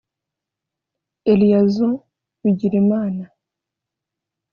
Eliason Bigirimana